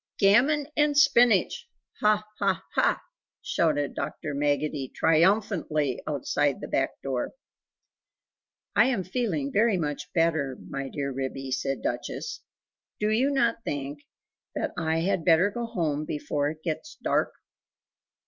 "Gammon and spinach! ha ha HA!" shouted Dr. Maggotty triumphantly outside the back door. "I am feeling very much better, my dear Ribby," said Duchess. "Do you not think that I had better go home before it gets dark?"